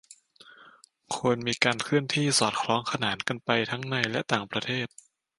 ควรมีการเคลื่อนที่สอดคล้องขนานกันไปทั้งในไทยและต่างประเทศ